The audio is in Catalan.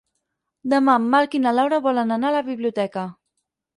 Demà en Marc i na Laura volen anar a la biblioteca.